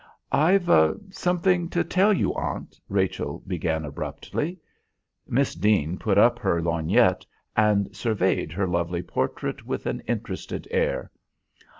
"I've something to tell you, aunt," Rachel began abruptly. Miss Deane put up her lorgnette and surveyed her lovely portrait with an interested air.